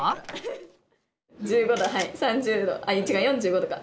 １５度はい３０度あっ違う４５度か。